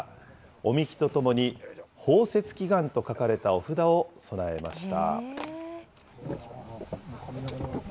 お神酒とともに、豊雪祈願と書かれたお札を供えました。